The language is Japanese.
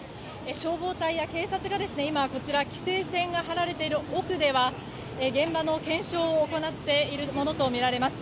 消防隊や警察が今規制線が張られている奥で現場の検証を行っているものとみられます。